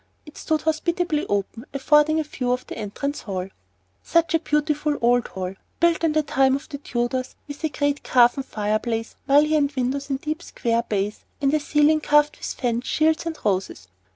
It stood hospitably open, affording a view of the entrance hall. Such a beautiful old hall! built in the time of the Tudors, with a great carven fireplace, mullioned windows in deep square bays, and a ceiling carved with fans, shields, and roses.